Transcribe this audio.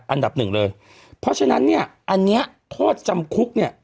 อันดับหนึ่งเลยเพราะฉะนั้นเนี่ยอันเนี้ยโทษจำคุกเนี่ย